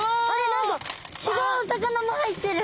何か違うお魚も入ってる。